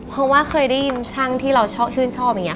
เพราะว่าเคยได้ยินช่างที่เราชื่นชอบอย่างนี้